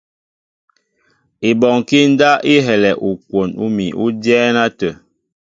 Ibɔnkí ndáp i helɛ ukwon úmi ú dyɛ́ɛ́n átə̂.